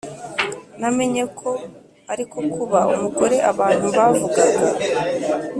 namenye ko ari ko kuba umugore abantu bavugaga,